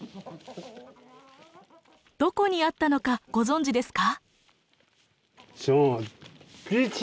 どこにあったのかご存じですか？